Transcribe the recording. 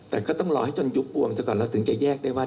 แต่ก็ต้องรอให้จนยุบบวมซะก่อนเราถึงจะแยกได้ว่า